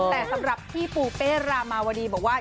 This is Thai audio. แต่สำหรับพี่ปูเป้รามาวดีบอกว่า